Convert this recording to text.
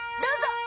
どうぞ！